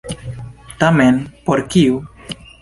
Tamen por kiu?